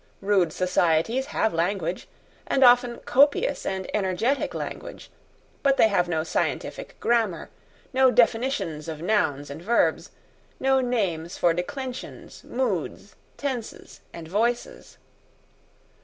Rude societies have language, and often copious and energetic language: but they have no scientific grammar, no definitions of nouns and verbs, no names for declensions, moods, tenses, and voices.